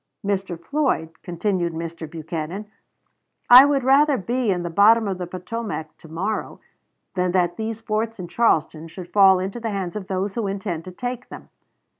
"Mr. Floyd," continued Mr. Buchanan, "I would rather be in the bottom of the Potomac to morrow than that these forts in Charleston should fall into the hands of those who intend to take them.